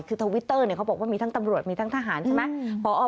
คือทวิตเตอร์เขาบอกว่ามีทั้งตำรวจมีทั้งทหารใช่ไหม